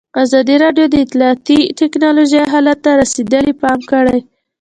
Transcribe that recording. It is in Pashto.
ازادي راډیو د اطلاعاتی تکنالوژي حالت ته رسېدلي پام کړی.